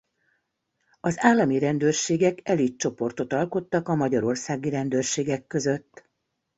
Az állami rendőrségek elit csoportot alkottak a magyarországi rendőrségek között.